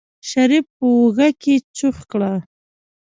شريف په اوږه کې چوخ کړ.